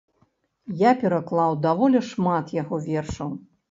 Я пераклаў даволі шмат яго вершаў.